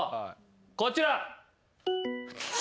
こちら。